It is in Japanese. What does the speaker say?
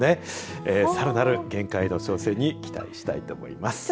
さらなる限界への挑戦に期待したいと思います。